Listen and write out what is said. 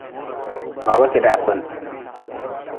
Baba keda ha kpen.